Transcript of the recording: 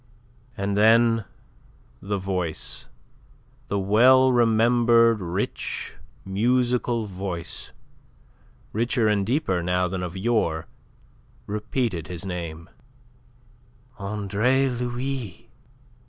And then the voice the well remembered rich, musical voice richer and deeper now than of yore, repeated his name: "Andre Louis!"